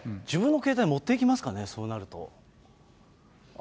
自分の携帯持っていきますかね、そうなると。